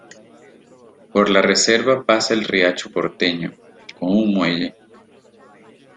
Por la Reserva pasa el Riacho Porteño, con un muelle.